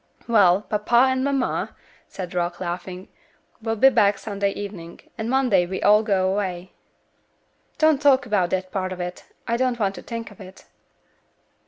"Well! papa and mamma," said Rock, laughing, "will be back Sunday evening, and Monday we all go away." "Don't talk about that part of it. I don't want to think of it."